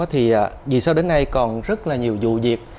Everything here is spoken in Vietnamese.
thì vì sao đến nay còn rất là nhiều vụ việc